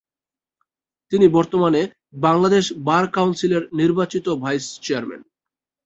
তিনি বর্তমানে বাংলাদেশ বার কাউন্সিলের নির্বাচিত ভাইস চেয়ারম্যান।